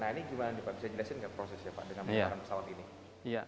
nah ini gimana pak bisa jelasin nggak prosesnya pak dengan menggunakan pesawat ini